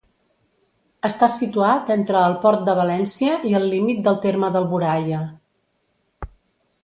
Està situat entre el Port de València i el límit del terme d'Alboraia.